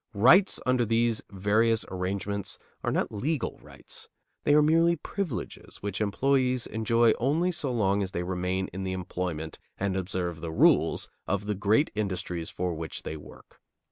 Rights under these various arrangements are not legal rights. They are merely privileges which employees enjoy only so long as they remain in the employment and observe the rules of the great industries for which they work.